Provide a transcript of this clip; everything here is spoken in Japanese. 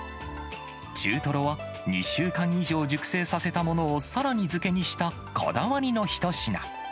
中トロは、２週間以上熟成させたものをさらに漬けにしたこだわりの一品。